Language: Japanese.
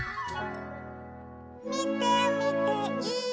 「みてみてい！」